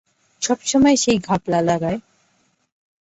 সবসময় সেই ঘাপলা লাগায়।